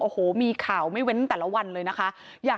โอ้โหมีข่าวไม่เว้นตลาดาวนเลยนะคะอยาก